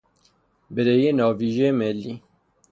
بدهی ناویژه ملی